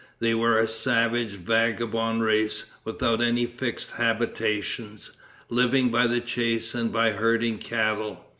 They were a savage, vagabond race, without any fixed habitations, living by the chase and by herding cattle.